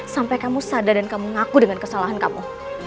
sampai kamu sadar dan kamu mengaku dengan kesalahan kamu